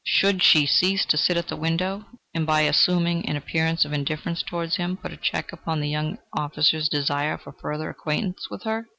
Should she cease to sit at the window and, by assuming an appearance of indifference towards him, put a check upon the young officer's desire for further acquaintance with her?